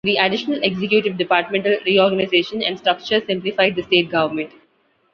The additional executive departmental reorganization and structure simplified the state government.